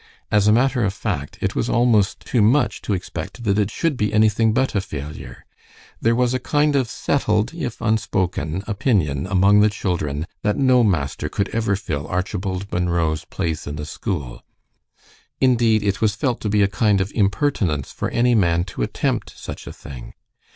As a matter of fact, it was almost too much to expect that it should be anything but a failure. There was a kind of settled if unspoken opinion among the children that no master could ever fill Archibald Munro's place in the school. Indeed, it was felt to be a kind of impertinence for any man to attempt such a thing.